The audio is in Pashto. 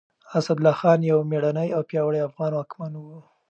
اسدالله خان يو مېړنی او پياوړی افغان واکمن و.